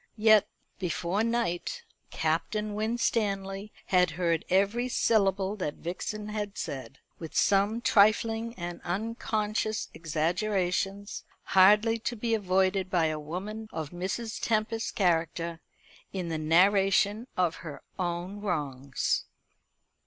Yet, before night, Captain Winstanley had heard every syllable that Vixen had said; with some trifling and unconscious exaggerations, hardly to be avoided by a woman of Mrs. Tempest's character, in the narration of her own wrongs.